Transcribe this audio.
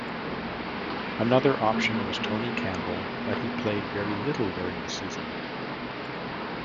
Another option was Tony Campbell, but he played very little during the season.